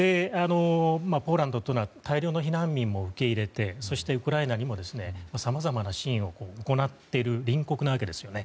ポーランドというのは大量の避難民も受け入れてそして、ウクライナにもさまざまな支援を行っている隣国なわけですね。